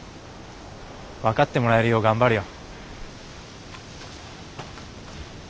分かってもらえるよう頑張るよ。